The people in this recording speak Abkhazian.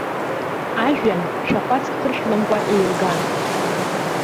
Ажәҩан шәахәацк хыршәламкәа иеилган.